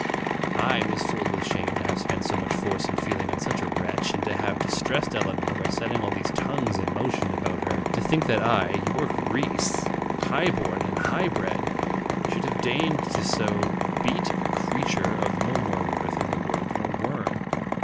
I was filled with shame to have spent so much force and feeling on such a wretch, and 'to have dis tressed Elinor by setting all these tongues in motion about her ; to think that I, Yorke Rhys, high born and high bred, should have deigned to so beat a creature of no more worth in the world than a worm.